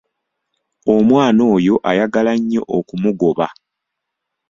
Omwana oyo ayagala nnyo okumugoba.